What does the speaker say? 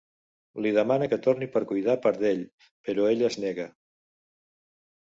Li demana que torni per cuidar per d'ell, però ella es nega.